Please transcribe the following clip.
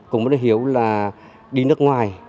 cũng hiểu là đi nước ngoài